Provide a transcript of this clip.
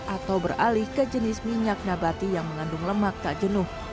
atau beralih ke jenis minyak nabati yang mengandung lemak tak jenuh